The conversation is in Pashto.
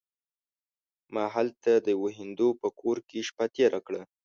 ما هلته د یوه هندو په کور کې شپه تېره کړه.